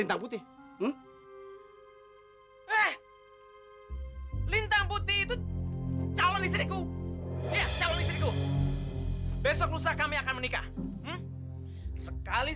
dengan sus cerc ancora impresi dinabeth dan agasi